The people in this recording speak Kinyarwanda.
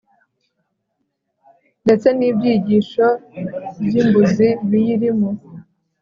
ndetse n'ibyigisho by'imbuzi biyirimo